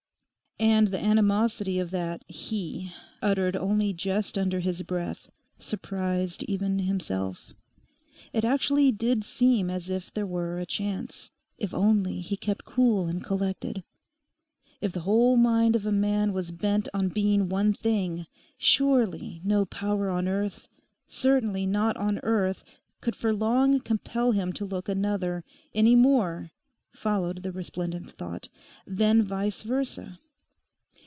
And the animosity of that 'he,' uttered only just under his breath, surprised even himself. It actually did seem as if there were a chance; if only he kept cool and collected. If the whole mind of a man was bent on being one thing, surely no power on earth, certainly not on earth, could for long compel him to look another, any more (followed the resplendent thought) than vice versa.